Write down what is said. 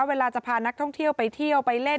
เวลาจะพานักท่องเที่ยวไปเที่ยวไปเล่น